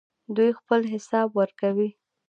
دوی خپل حساب ورکوي.